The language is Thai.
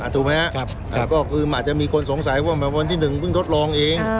ถูกไหมครับก็คืออาจจะมีคนสงสัยว่าวันที่๑เพิ่งทดลองเอง